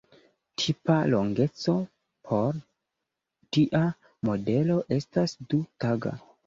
Tipa longeco por tia modelo estas du-taga.